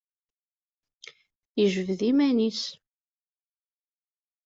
Yejbed iman-is.